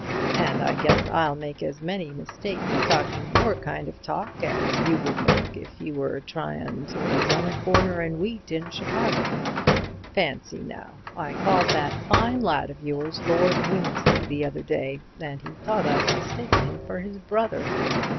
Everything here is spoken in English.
And I guess I'll make as many mistakes talking your kind of talk as you would make if you were tryin' to run a corner in wheat in Chicago. Fancy now, I called that fine lad of yours Lord Wimsey the other day, and he thought I'd mistaken him for his brother.